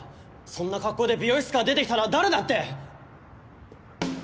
そんな格好で美容室から出てきたら誰だって。